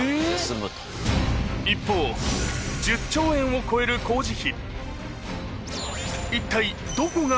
貶１０兆円を超える工事費。